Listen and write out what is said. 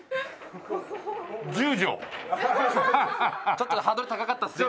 ちょっとハードル高かったですね